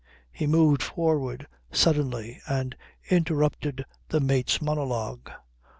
He moved forward suddenly, and interrupted the mate's monologue.